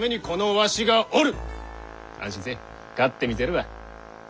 安心せい勝ってみせるわ。